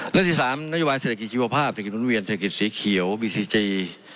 เรื่องที่๓นโยบายเศรษฐกิจชีวภาพเศรษฐกิจหุ่นเวียนเศรษฐกิจสีเขียวบีซีจี